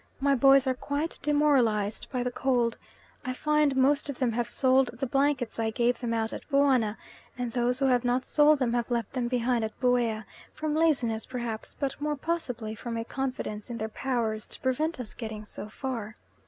My boys are quite demoralised by the cold. I find most of them have sold the blankets I gave them out at Buana; and those who have not sold them have left them behind at Buea, from laziness perhaps, but more possibly from a confidence in their powers to prevent us getting so far.